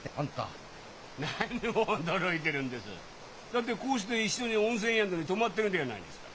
だってこうして一緒に温泉宿に泊まってるではないですか。